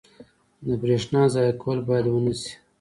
• د برېښنا ضایع کول باید ونه شي.